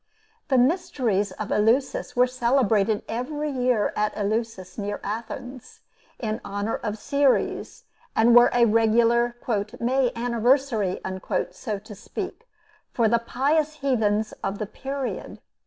The mysteries of Eleusis were celebrated every year at Eleusis, near Athens, in honor of Ceres, and were a regular "May Anniversary," so to speak, for the pious heathens of the period.